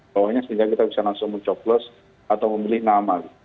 bawahnya sehingga kita bisa langsung mencoblos atau memilih nama